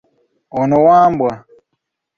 Ono Wambwa.